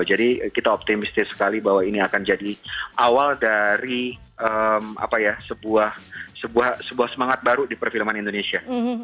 jadi kita optimistis sekali bahwa ini akan jadi awal dari sebuah semangat baru di perfilman indonesia